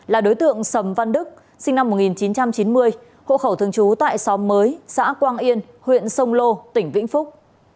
là đối tượng sầm văn đức sinh năm một nghìn chín trăm chín mươi hộ khẩu thường trú tại xóm mới xã quang yên huyện sông lô tỉnh vĩnh phúc